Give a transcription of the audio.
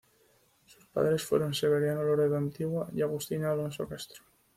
Sus padres fueron Severiano Loredo Antigua y Agustina Alonso Castro.